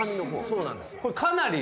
そうなんです。